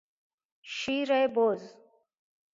شیر بز